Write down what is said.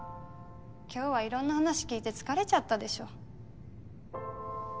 今日は色んな話聞いて疲れちゃったでしょ。